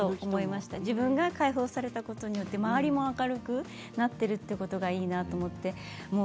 自分が解放されたことによって周りも明るくなっているのがいいなと思って。